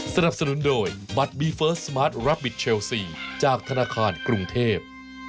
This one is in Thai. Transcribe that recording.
สนับสนุนโดยบัตรบีเฟิร์สสมาร์ทรับบิทเชลซีจากธนาคารกรุงเทพ